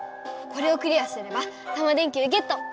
これをクリアすればタマ電Ｑゲット！